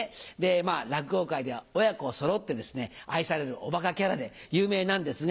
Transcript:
落語界では親子そろってですね愛されるおバカキャラで有名なんですが。